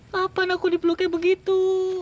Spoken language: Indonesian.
kapan aku dipeluknya begitu